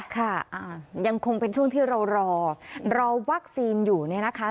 ค่ะยังคงเป็นช่วงที่เรารอรอวัคซีนอยู่เนี่ยนะคะ